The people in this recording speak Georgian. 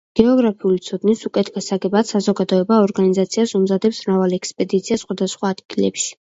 გეოგრაფიული ცოდნის უკეთ გასაგებად საზოგადოება ორგანიზაციას უმზადებს მრავალ ექსპედიციას სხვადასხვა ადგილებში.